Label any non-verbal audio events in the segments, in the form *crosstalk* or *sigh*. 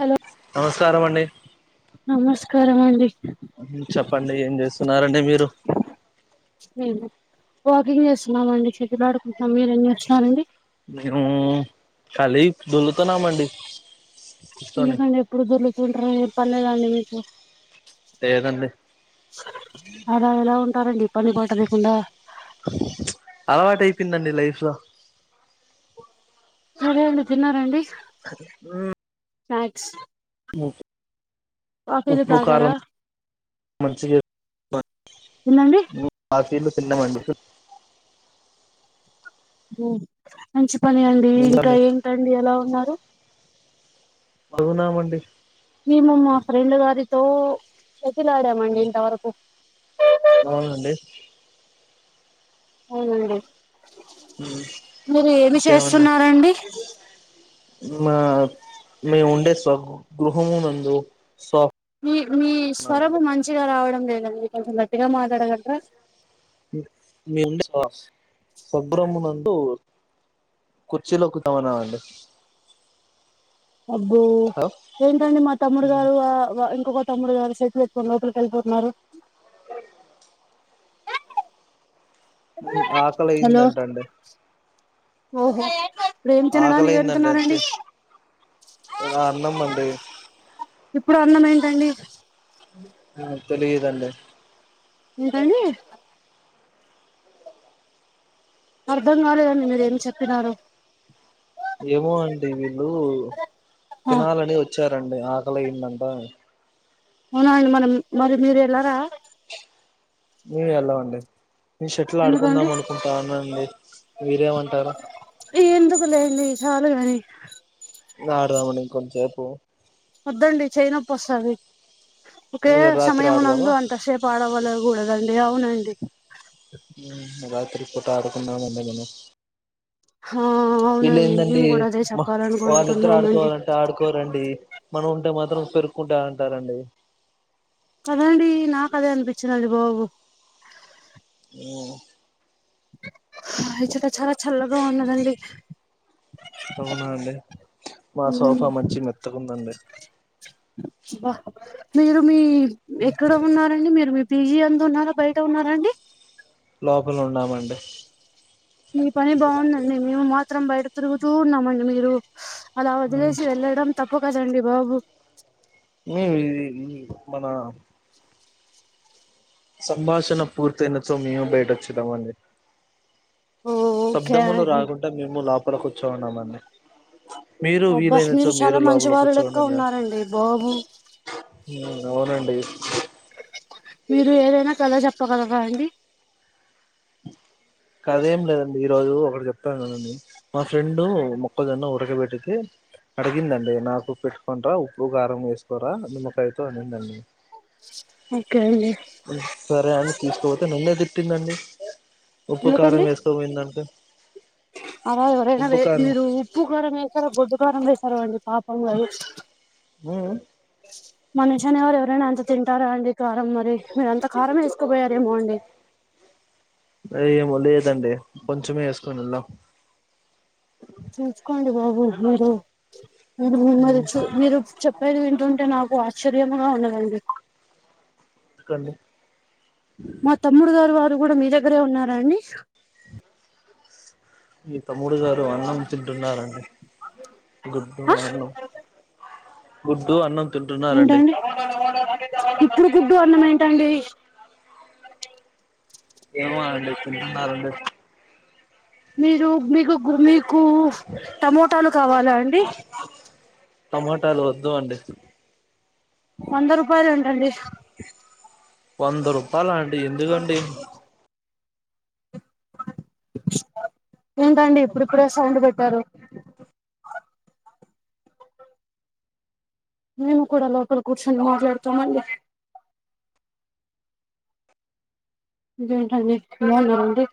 Hello నమస్కారం అండి నమస్కారం అండి చెప్పండి ఏం చేస్తున్నారండి మీరు వాకింగ్ చేస్తున్నామండి షటిల్ ఆడుకుంటున్నాము మీరేం చేస్తున్నారండి మేము కాలీ దొల్లుతున్నామండి కూర్చొని ఎందుకండి ఎప్పుడు దొరులుతుంటారు ఏమి పనిలేదండి మీకు లేదండి అలా ఎలా ఉంటారండి పని పాట లేకుండా అలవాటు అయిపోయిందండి లైఫ్ లో సరే అండి తిన్నార అండి అదే స్నక్స్ ము కాఫీలు తాగరా మంచ తినండి *inaudible* తిన్నము అండి ఉ మంచి పనే అండి ఇంకా తిన్నామండి ఏంటండి ఎలా ఉన్నారు బాగున్నం అండి మేము మా ఫ్రెండ్ గారితో చెప్ షటిల్ అడాము అండి ఇంతవరకు అవునండి అవునండి ఉమ్, మీరు ఏమి ఇంకేమన్నా చేస్తున్నారండి మా మేము ఉండే స్వగృహము నందు స్వాప్ మీ మీ స్వరము మంచిగా రావడం లేదండి కొంచము మాట్లాడగలరా మీ ముండే స్వగృహము నందు కుర్చీలు ఓక్కుతామన్నామండి అబ్బో ఏంటండి మా తమ్ముడు ఉమ్. గారు ఆ ఇంకొక తమ్ముడు గారు షటిల్ ఎత్తుకో నీ లోపలకు వెళ్ళిపోతున్నాడు *inaudible* ఇంక ఆకలి అయింది హలో అంటాండే ఓహో ఆకలి ప్రేమించడానికి అయిందండి అంతే వెళ్తున్నండి అన్నం అండి ఇప్పుడు అన్నం ఏంటండి ఆ తెలియదండి ఏంటండీ అర్ధం గాలేదండి మీరు ఏం చెప్పినారు ఏమో అండి వీళ్ళు ఆ తినాలని వచ్చి చ్చరండి ఆకలియిందంట అవున అండి మనం మరి మీరు వెళ్ళరా మేము వెళ్ళవండి నేను షటిల్ ఎందుకండి ఆడుకుందాం అనుకుంటాన్న అండి మీరేమంటారు అండి చాలుగాని అడుదామనీ కొంచేపు వద్దండి చేయి నొప్పి వస్తాది ఓకే రాత్రి సమయము ఆడదామా నందు అంత సేపు ఆడవలె కూడదండి అవునండి ఉ రాత్రి పూట ఆడుకుందామండి మనం ఆ అవునండి వీలేందండి మేము కూడా అదే వాళ్ళిద్దరు చెప్పాలనుకుంటున్నామండి ఆడుకోవాలంటే ఆడుకోరండి మనం ఉంటే మాత్రం పెరుకుంటంటారండి కదండి నాకు అదే అనిపించినది బాబు ఉ ఇచ్చట చాలా చల్లగా ఉన్నదండి అవునా అండి మా సోఫా మంచిగ మెత్తకుందండి బ్బ మీరు మీ ఎక్కడ ఉన్నారండి మీరు మీ పీజీ అందు ఉన్నారా బయట ఉన్నారా అండి లోపల ఉన్నామండి మీ పని బాగుందండి మేము మాత్రం బయట తిరుగుతూ ఉన్నామండి మీరు అలా వదిలేసి వెళ్ళడం తప్పు కదండి బాబు మీ మన సంభాషణ పూర్తయిన చో మేము బయట వచ్చెదమండి ఓకే శబ్దములు అండి. రాకుండా మేము లోపల కూర్చోన్నామండి మీరు అబ్బా వీలైనచ్చో చాలా మీరు లోపల మంచివారు లెక్క కూర్చోండడి ఉన్నారండి బాబు ఉ అవునండి మీరు ఏదైనా కథ చెప్పగలరా అండి కాదేం లేదండి ఈ రోజు ఒకడ చెప్తా చూడండి మా ఫ్రెండు మొక్కజన్న ఉరకబెట్టితే అడిగిందండి నాకు పెట్టుకొనిరా ఉప్పు కారం వేసుకోరా నిమ్మకాయతో అనిందండి ఉ సరే అని తీసుకుపోతే నన్నే తిట్టిందండి ఉప్పు కారం ఎందుకండి వేసుకుపోయిన దానికి అలా ఎవరైనా వె మీరు ఉప్పు కారం వేసారో గొడ్డు కారం వేసారో అండి పాపం కదు ఉ మనుష్యనివరు ఎవరైన అంత తింటారా అండి కారం మరి మీరంత కారం వేసుకుపోయారేమో అండి కొంచమే వేసుకొని వెళ్ళాం చూసుకోండి బాబు మీరు మీరు మిమ్మల్ని చూ మీరు చెప్పేది విన్ టుంటే నాకు ఆశ్చర్యముగా ఉన్నదండి అండి మా తమ్ముడు గారు వారు కూడా మీ దగ్గరే ఉన్నారా అండి మీ తమ్ముడు గారు అన్నం తింటున్నాడండి గుడ్డు ఆ అన్నం గుడ్డు అన్నం తింటున్నారండి ఏంటండీ ఇప్పుడు గుడ్డు అన్నం ఏంటండి ఏమో అండి తింటున్నరండి మీరు మీకు మీకు టమోటాలు కావాలా అండి టమాటాలు వద్దు అండి వంద రూపాయలు అంట అండి వంద రూపాయాలండి ఎందుకండి ఏంటండి ఇప్పుడుప్పుడే సౌండ్ పెట్టారు మేము కూడా లోపల కూర్చొని మాట్లాడుతామండి ఇంకేం టండి బాగున్నా రండి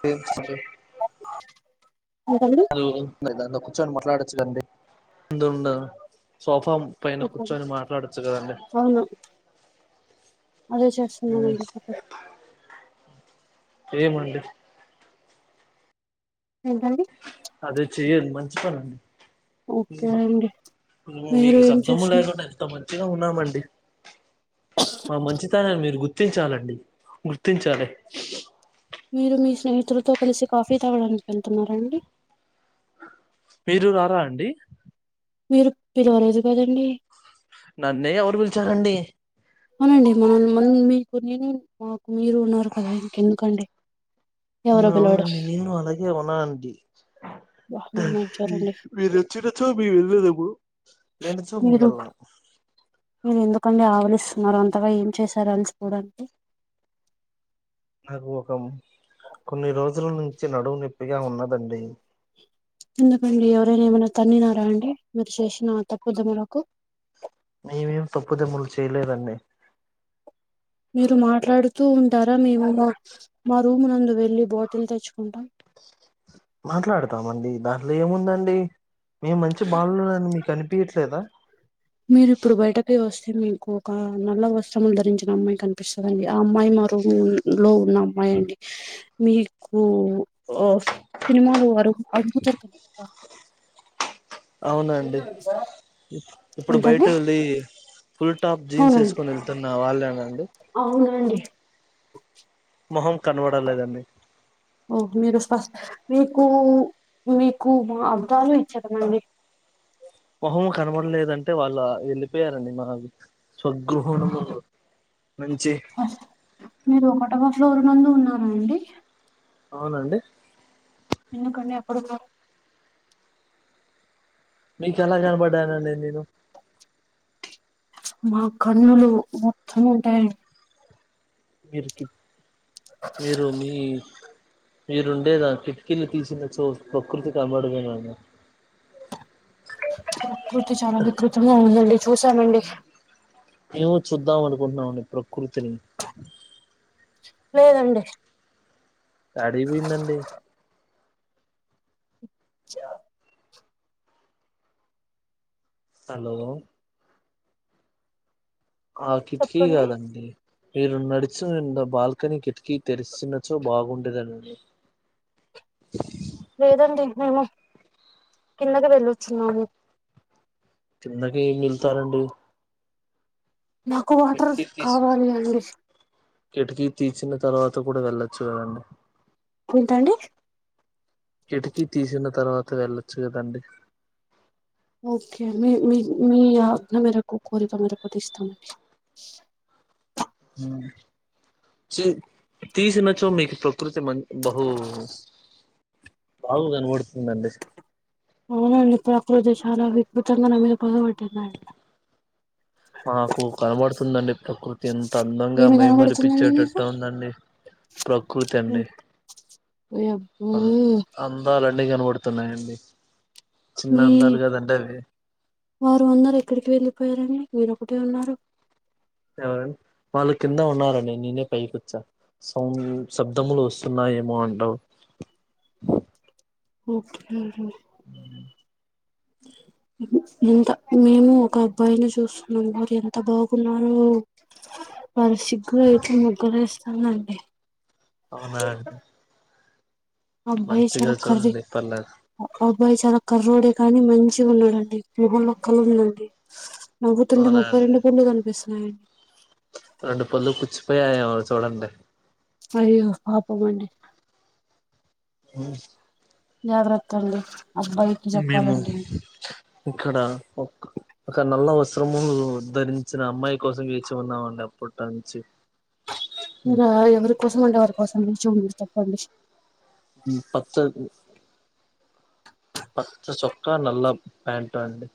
తర్చంటడి *unintelligible* అ ఏంటండి హాలో ఇద అ కూర్చొని మాట్లాడచ్చుదండి ఎందు *unintelligible* ఉండ సోఫా పయిన చెప్పండి కూర్చోని మాట్లాడొచ్చు కదండీ అవును అదే చేస్తున్నామండి ఏమండి ఏంటండి చెయ్యదు మంచి పనండి ఓకే అండి మీరు మీకు ఏం శబ్దము చేస్తున్నారు లేకుండా ఎంత మంచి మంచిగా ఉన్నామండి మా మంచి మీరు గుర్తించాలండి గుర్తించాలి మీరు మీ స్నేహితులతో కలిసి కాఫీ తాగడానికి వెళ్తున్నారండి మీరు రారా అండి మీరు పిలవలేదు కదండి నన్నే ఎవరు పిలిచారండి అవునండి మనల్ మ మీకు నేను మాకు మీరు ఉన్నారు కదా ఇంకెందుకండి ఎవరో పిలవడం అవునండి నేను అలాగే ఉన్నా అండి బా మీరు మంచోరండి మీరు వచ్చినచో మేము వెళ్ళేదము రెండు చుమి మీరు వెళ్ళం *unintelligible* మీరు ఎందుకండి ఆవలిస్తున్నారు అంతగా ఏం చేశారు అలిసిపోడానికి నాకు ఒక కొన్ని రోజుల నుంచి నడుము నొప్పిగా ఉన్నదండి ఎందుకండి ఎవరైనా ఏమైనా తన్నినారా అండి మీరు చేసినా తప్పుదములకు మేమేం తప్పుదమ్ములు చేయలే దండి మీరు మాట్లాడుతూ ఉంటారా మేము మా మా రూమ్ నందు వెళ్లి బాటిల్ తెచ్చుకుంటాం మాట్లాడతామండి దాంట్లో ఏముందండి మేము మంచి బాలుని మీకు అనిపి పిట్లేదా మీరు ఇప్పుడు బయటకే వస్త మీకు ఒక నల్ల వస్త్రములు ధరించిన అమ్మాయి కనిపిస్తుందిండి ఆ అమ్మాయి మా రూమ్ లో ఉన్న అమ్మాయి డి మీకు సినిమాలు అరు అడుగుతారు క అవునండి ఇప్పుడు బయట ఏంటండి వెళ్ళి ఫుల్ టాప్ జీన్స్ అవునండి వేసుకుని వెళ్తున్నా వాళ్ళేనండి అవునండి మొహం కనబడలేదండి ఓ మీరు ఫస్ట్ మీకు మీకు మా అద్ధా లు ఇచ్చకదండీ మొహం కనబడలేదంటే వాళ్ళు వెళ్ళిపోయారండి మా. స్వగృహ ను మీరు ఒకటవ ఫ్లోర్ నుందు ఉన్నారా అండి అవునండి ఎందుకంటే అప్పుడు మీకు ఎలా కనపడ్డాను నేను మా కన్నులు మొత్తం ఉంటాయండి మీరికి మీరు మీ మీరుండేదా కిక్కిలు తీసిన చో ప్రకృతి కనబడుతుంది. ప్రకృతి చాలా వికృతంగా ఉందండి చూసానండి మేము చూద్దాం అనుకుంటున్నాము ప్రకృతిని లేేదండి అడి మిందండి చవ్ హలో ఆ కిటికీ చెప్పండి కాదండి మీరు నడిచి రెండ్ బాల్కనీ కిటికీ తెరిచినచో బాగుండేదని లేదండి మేము కిందకి వెళ్ళొచ్చున్నాము కిందకి మిళ్తారండి నాకు వాటర్ర్ తీసి కావాలండి. కిటికీ తీర్చిన తర్వాత కూడా వెళ్ళొచ్చు కాదండి పుంతండి కిటికీ తీసిన తర్వాత వెళ్ళొచ్చు కదండి ఓకే మీ మీ మీ ఆజ్ఞ మేరకు కోరిక మేరకు తీస్తామండి. స చీ తీసినచో మీకు ప్రకృతి మంచి బహు బాగు కనపడుతుందండి అవునండి ప్రకృతి చాలా వికృతంగా నా మీదా మాకు కనబడుతుందండి ప్రకృతి ఎంత అందంగా ఏమి కనబడుతుందండి మీకు మైమరిపచ్చేటట్టు ఉందండి. ప్రకృతి అండి. అబ్బో అం అందాలు అన్ని కనబడుతున్నాయండి చిన్న మీ అందాలు కదండి అవి వారు అందరూ ఎక్కడికి వెళ్ళిపోయారని మీరొ ఒకటే ఉన్నారు ఎవరం వాళ్ళు కింద ఉన్నారండి నేనే పైకి వోచ్చా సౌ శబ్దములు వస్తున్నాయి ఏమో డౌట్ ఓకే ఎంత మేము ఒక అబ్బాయిని చూసున్నాం వారు ఎంత బాగున్నారు వారి సిగ్గు అయితే ముగ్గురేస్తానండి అవునా అ అబ్బాయి మంచిగా చాలా కర్రీ చూడండి పర్లేదు అబ్బాయి చాలా కర్రడే గాని మంచిగా ఉన్నాడండి మోహంలో కలు ఉందండి నవ్వుతుంటే అవునా ముప్పై అండి రెండు పళ్ళు కనిపిస్తున్నాయండి రెండు పళ్ళు పుచ్చిపోయాయేమో చూడండి అయ్యో పాపమండి. *inaudible* జాగ్రత్త అండి. అబ్బాయికి మేము చెప్పాలండి ఇక్కడ ఒక ఒక నల్ల వస్ స్రములు ధరించిన అమ్మాయి కోసం వేచి ఉన్నామండి అప్పట నుంచి. ఇలా ఎవరి కోసం అంటే వారి కోసం నిల్చున అని చెప్పండి. పత్తరుకు పచ్చ చొక్కా, నల్ల ప్యాంటు అండి.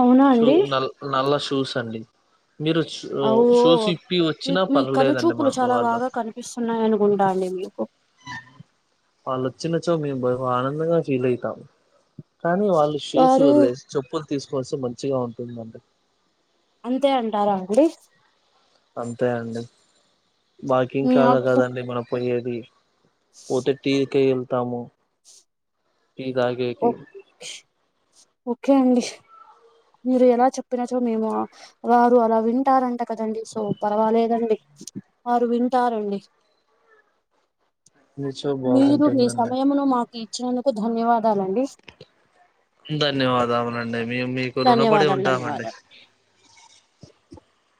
అవునా షూ అండి నల్ నల్ల షూస్ అండి. మీరు షూ అవు షూస్ ఇప్పి మీ వచ్చినా మీ పర్లేదండి కనుచూపులు మాకు చాలా వాళ్ళు. బాగా కనిపిస్తున్నాయి అనుకుంటా అండి మీకు వాళ్ళు అచ్చినచో మేం ఆనందంగా ఫీల్ అయితాము. కానీ వాళ్ళు షూస్ వారు వదిలేసి చెప్పులు తీసుకోవాల్సి మంచిగా ఉంటుందండి. అంతే అంటారా అండి. అంతే అండి వాకింగ్ మీ కాదు అబ్బ కదండి మనం పోయేది. పోతే టీ కే ఎళ్తాము. టీ తాగేకి. ఓకే అండి మీరు ఎలా చెప్పినచో మేము వారు అలా వింటారంట కదండి సో పర్వాలేదండి. వారు వింటారండి. నిచో మీరు మీ బాగుంటుందండి సమయమును మాకు ఇచ్చినందుకు ధన్యవాదాలండి. ధన్యవాదములు అండి. మేం మీకు రుణపడి ధన్యవాదాలు ఉంటామండి. ధన్యవాదాలు